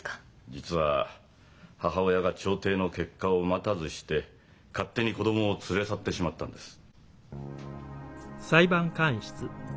実は母親が調停の結果を待たずして勝手に子供を連れ去ってしまったんです。